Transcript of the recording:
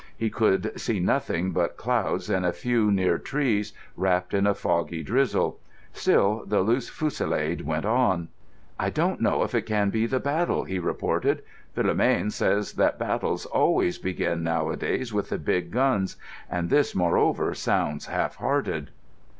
He could see nothing but clouds and a few near trees wrapped in a foggy drizzle. Still the loose fusillade went on. "I don't think it can be the battle," he reported. "Philomène says that battles always begin nowadays with the big guns, and this moreover sounds half hearted."